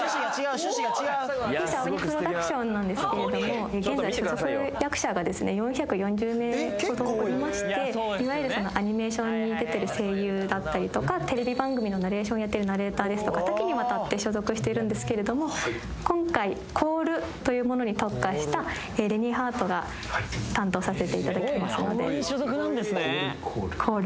弊社青二プロダクションなんですけれども現在所属役者がですね４４０名ほどおりましていわゆるアニメーションに出てる声優だったりとかテレビ番組のナレーションやってるナレーターですとか多岐にわたって所属しているんですけれども今回コールというものに特化したレニー・ハートが担当させていただきますのでコール？